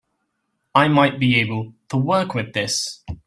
I might be able to work with this.